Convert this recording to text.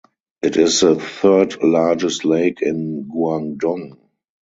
It is the third largest lake in Guangdong.